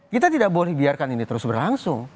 kita tidak boleh biarkan ini terus berlangsung